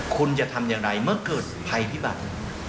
คุณจะทำอย่างไรเมื่อเกิดภัยพิบัติ